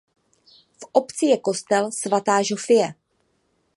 V obci je kostel svaté Žofie.